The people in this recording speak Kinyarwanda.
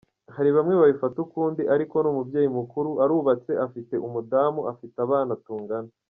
Hari bamwe babifata ukundi ariko ni umubyeyi mukuru, arubatse afite umudamu, afite abana tungana.